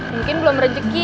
mungkin belum rezeki